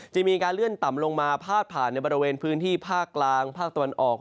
มีการเลื่อนต่ำลงมาพาดผ่านในบริเวณพื้นที่ภาคกลางภาคตะวันออก